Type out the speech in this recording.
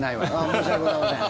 申し訳ございません。